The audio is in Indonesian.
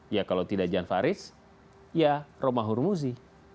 ya kalau tidak gian farid ya romahul muzi